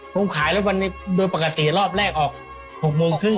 ผมขายแล้ววันนี้โดยปกติรอบแรกออก๖โมงครึ่ง